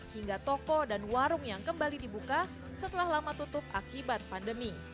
hingga toko dan warung yang kembali dibuka setelah lama tutup akibat pandemi